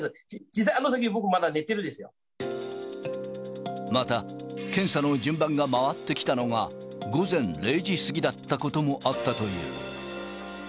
実際、また、検査の順番が回ってきたのが午前０時過ぎだったこともあったという。